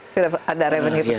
sudah ada revenue tetap ya